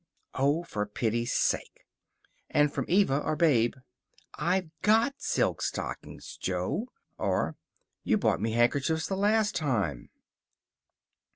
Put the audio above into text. "Oh, for pity's sake!" And from Eva or Babe, "I've GOT silk stockings, Jo." Or, "You brought me handkerchiefs the last time."